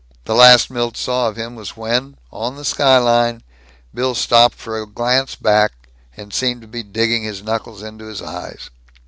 The last Milt saw of him was when, on the skyline, Bill stopped for a glance back, and seemed to be digging his knuckles into his eyes.